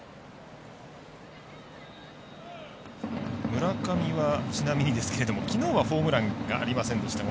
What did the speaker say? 村上はちなみにですけれどもきのうはホームランがありませんでした。